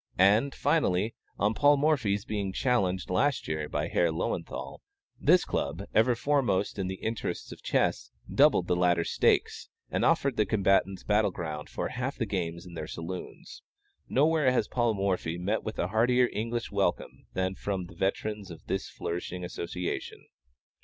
And, finally, on Paul Morphy's being challenged last year by Herr Löwenthal, this Club, ever foremost in the interests of chess, doubled the latter's stakes, and offered the combatants battle ground for half the games in their saloons. Nowhere has Paul Morphy met with a heartier English welcome than from the veterans of this flourishing association.